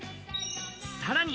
さらに。